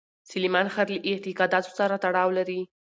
سلیمان غر له اعتقاداتو سره تړاو لري.